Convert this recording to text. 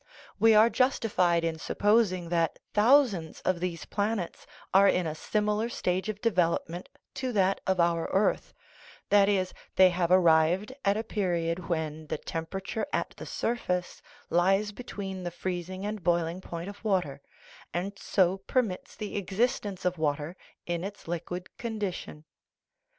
We are justified in supposing that thousands of these planets are in a similar stage of development to that of our earth that is, they have arrived at a period when the temperature at the surface lies between the freezing and boiling point of water, and so permits the existence of water in its liquid condition.